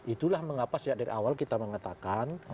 itulah mengapa sejak dari awal kita mengatakan